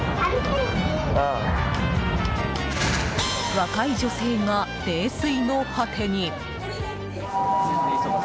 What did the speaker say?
若い女性が泥酔の果てに。